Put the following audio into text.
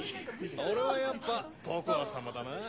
・俺はやっぱポコア様だな。